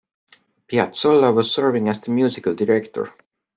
Piazzolla was serving as the musical director.